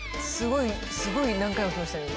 すごいすごい何回もきましたね